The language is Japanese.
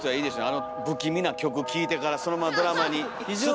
あの不気味な曲聴いてからそのままドラマにスッと入っていける。